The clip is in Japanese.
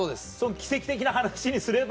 奇跡的な話にすれば。